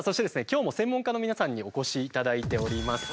今日も専門家の皆さんにお越しいただいております。